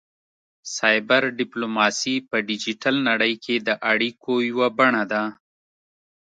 سایبر ډیپلوماسي په ډیجیټل نړۍ کې د اړیکو یوه بڼه ده